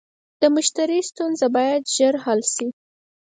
د مشتری ستونزه باید ژر حل شي.